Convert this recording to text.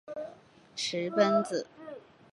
石皋子。